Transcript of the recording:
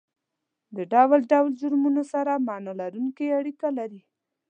د ډول ډول جرمونو سره معنا لرونکې اړیکه لري